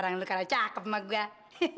nah keren banget